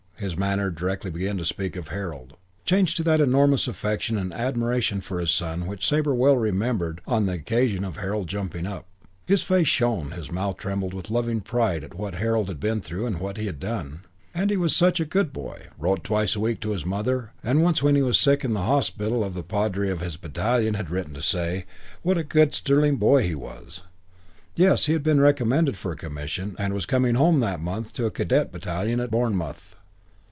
His manner, directly he began to speak of Harold, changed to that enormous affection and admiration for his son which Sabre well remembered on the occasion of Harold joining up. His face shone, his mouth trembled with loving pride at what Harold had been through and what he had done. And he was such a good boy, wrote twice a week to his mother and once when he was sick in hospital the Padre of his battalion had written to say what a good and sterling boy he was. Yes, he had been recommended for a commission and was coming home that month to a Cadet battalion at Bournemouth.